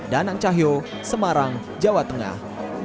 danang cahyo semarang jawa tengah